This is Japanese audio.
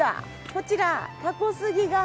こちらたこ杉が。